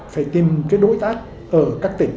phải tìm đối tác ở các tỉnh